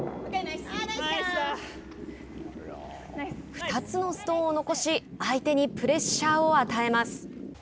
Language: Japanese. ２つのストーンを残し相手にプレッシャーを与えます。